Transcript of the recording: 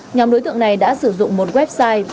nhóm đối tượng này đã sử dụng một website